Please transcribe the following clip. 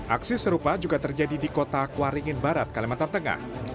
aksi serupa juga terjadi di kota kuaringin barat kalimantan tengah